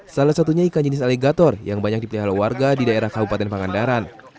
salah satunya ikan jenis alegator yang banyak dipelihara warga di daerah kabupaten pangandaran